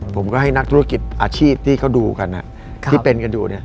ผมก็ให้นักธุรกิจอาชีพที่เขาดูกันที่เป็นกันอยู่เนี่ย